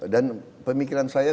dan pemikiran saya